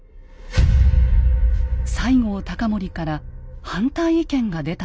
西郷隆盛から反対意見が出たのです。